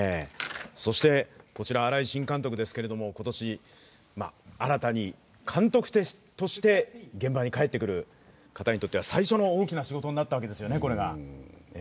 そしてこちら新井新監督ですけど、今年新たに監督として現場に帰ってくる方にとっては、最初の大きな仕事になったわけですよね。